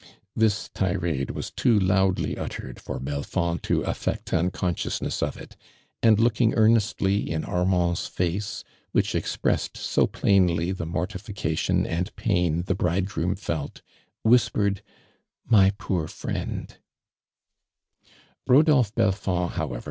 This tirade was too loudly uttered fw Belfond to afl'ect unconsciousness of it, and looking earnestly in Armand' s face, which expressed so plainly the mortification and pam the bridegroom felt, whispered " My poor friend 1" Rodolphe Belfond, however, was not one ARMAND DURAND.